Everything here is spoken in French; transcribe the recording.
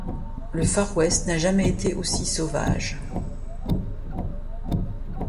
Le Far West n'a jamais été aussi sauvage.